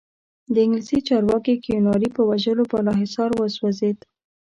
د انګلیسي چارواکي کیوناري په وژلو بالاحصار وسوځېد.